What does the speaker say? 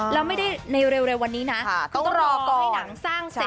แล้วไม่ได้ในเร็ววันนี้นะเขาก็รอก็ให้หนังสร้างเสร็จ